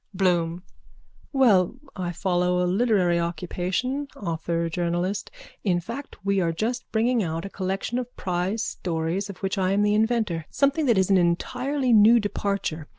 BLOOM: Well, I follow a literary occupation, author journalist. In fact we are just bringing out a collection of prize stories of which I am the inventor, something that is an entirely new departure.